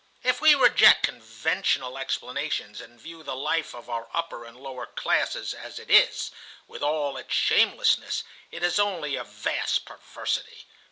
If we reject conventional explanations, and view the life of our upper and lower classes as it is, with all its shamelessness, it is only a vast perversity.